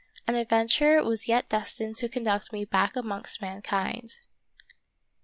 An adventure was yet destined to conduct me back amongst mankind.